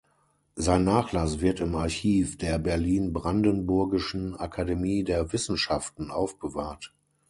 Sein Nachlass wird im Archiv der Berlin-Brandenburgischen Akademie der Wissenschaften aufbewahrt.